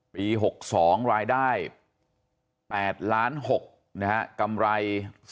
ปี๖๒รายได้๘๖ล้านนะฮะกำไร๔๐๗๐๐๐